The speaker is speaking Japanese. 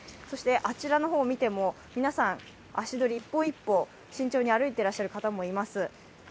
そしてあちらの方を見ても皆さん、足取り一歩一歩慎重に歩いている方もいます。